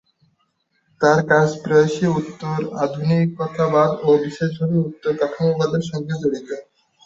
তাঁর কাজ প্রায়শই উত্তর-আধুনিকতাবাদ ও বিশেষভাবে উত্তর-কাঠামোবাদের সঙ্গে জড়িত।